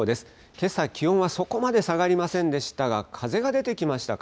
けさ、気温はそこまで下がりませんでしたが、風が出てきましたか。